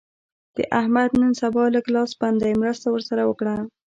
د احمد نن سبا لږ لاس بند دی؛ مرسته ور سره وکړه.